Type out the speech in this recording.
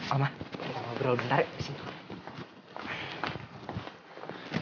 alma kita ngobrol bentar ya disini